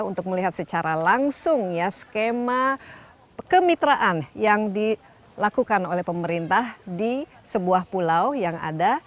untuk melihat secara langsung ya skema kemitraan yang dilakukan oleh pemerintah di sebuah pulau yang ada